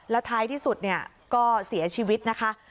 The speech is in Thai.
แล้วท้ายที่สุดเนี่ยก็เสียชีวิตนะคะ